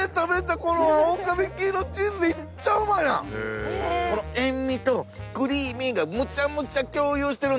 この塩味とクリーミーがむちゃむちゃ共有してるんですよ。